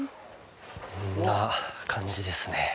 こんな感じですね。